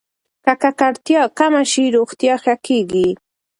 که ککړتیا کمه شي، روغتیا ښه کېږي.